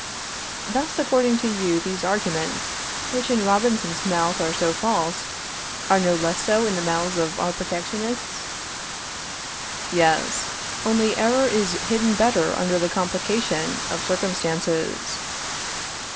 Thus, according to you, these arguments, which in Robinson's mouth are so false, are no less so in the mouths of our protectionists? Yes; only error is hidden better under the complication of circumstances.